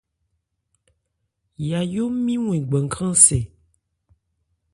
Yayó nmi wɛn gbankrân-sɛ.